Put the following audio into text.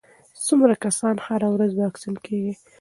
څومره کسان هره ورځ واکسین کېږي؟